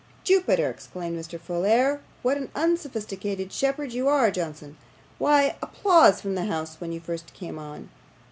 'Jupiter!' exclaimed Mr. Folair, 'what an unsophisticated shepherd you are, Johnson! Why, applause from the house when you first come on.